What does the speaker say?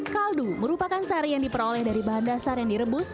kaldu merupakan sari yang diperoleh dari bahan dasar yang direbus